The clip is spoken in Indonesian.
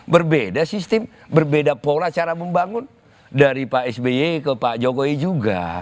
berbeda sistem berbeda pola cara membangun dari pak sby ke pak jokowi juga